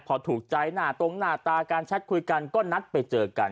พอถูกใจหน้าตรงหน้าตาการแชทคุยกันก็นัดไปเจอกัน